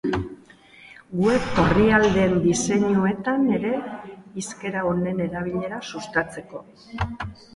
Web orrialdeen diseinuetan ere hizkera honen erabilera sustatzeko.